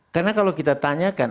karena kalau kita tanyakan